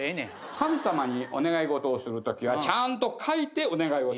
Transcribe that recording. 神様にお願い事をする時はちゃんと書いてお願いをする。